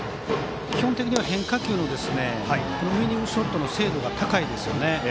基本的には変化球のウイニングショットの精度が高いです。